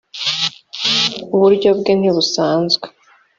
uburyo bwe ntibusanzwe.